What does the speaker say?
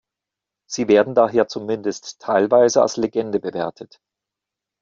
Sie werden daher zumindest teilweise als Legende bewertet.